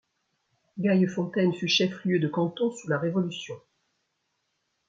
Gaillefontaine fut chef-lieu de canton sous la Révolution.